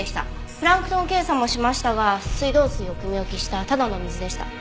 プランクトン検査もしましたが水道水をくみ置きしたただの水でした。